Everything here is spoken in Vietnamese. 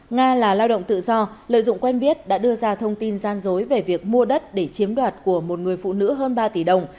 nga là lao động tự do lợi dụng quen biết đã đưa ra thông tin gian dối về việc mua đất để chiếm đoạt của một người phụ nữ hơn ba tỷ đồng